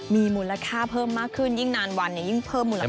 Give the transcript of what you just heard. มีมูลค่าเพิ่มมากขึ้นยิ่งนานวันยิ่งเพิ่มมูลค่า